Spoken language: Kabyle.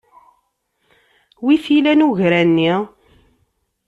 Wi t-ilan ugra-nni?